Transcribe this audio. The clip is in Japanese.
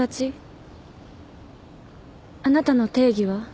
あなたの定義は？